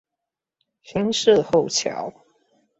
新社後橋